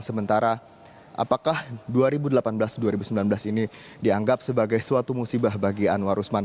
sementara apakah dua ribu delapan belas dua ribu sembilan belas ini dianggap sebagai suatu musibah bagi anwar usman